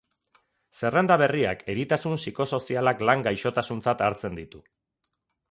Zerrenda berriak eritasun psikosozialak lan gaixotasuntzat hartzen ditu.